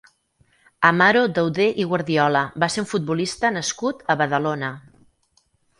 Amaro Dauder i Guardiola va ser un futbolista nascut a Badalona.